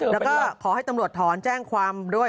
แล้วก็ขอให้ตำรวจถอนแจ้งความด้วย